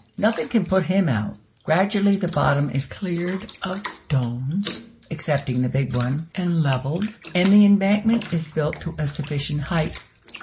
nothing can put him out. Gradually the bottom is cleared of stones, (excepting the big one), and levelled, and the embankment is built to a sufficient height.